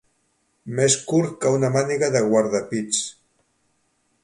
Més curt que una màniga de guardapits.